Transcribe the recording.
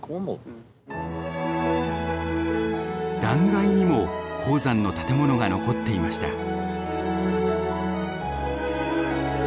断崖にも鉱山の建物が残っていました。